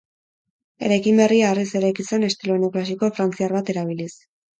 Eraikin berria harriz eraiki zen estilo neoklasiko frantziar bat erabiliz.